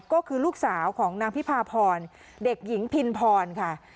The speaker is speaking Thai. ก็คือลูกสาวของนางพิพาพรเด็กหญิงพินพรค่ะ